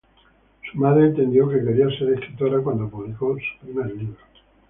Su madre entendió que quería ser escritora cuando publicó su primer libro.